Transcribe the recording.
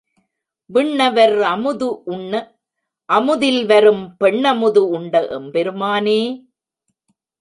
விண்ணவர் அமுது உண்ண அமுதில் வரும் பெண்ண முது உண்ட எம்பெருமானே!